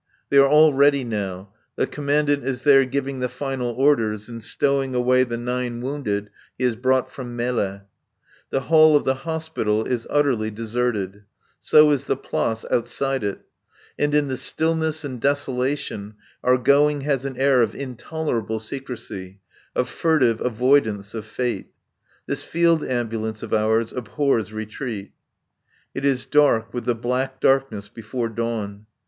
They are all ready now. The Commandant is there giving the final orders and stowing away the nine wounded he has brought from Melle. The hall of the Hospital is utterly deserted. So is the Place outside it. And in the stillness and desolation our going has an air of intolerable secrecy, of furtive avoidance of fate. This Field Ambulance of ours abhors retreat. It is dark with the black darkness before dawn.